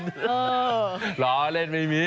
น้ำลายอาจจะกระเด็นติด